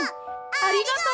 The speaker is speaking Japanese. ありがとう！